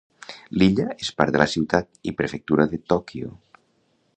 L'illa és part de la ciutat i prefectura de Tòquio.